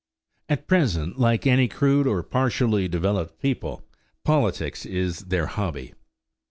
At present, like any crude or partially developed people, politics is their hobby.